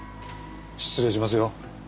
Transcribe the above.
失礼しますよ。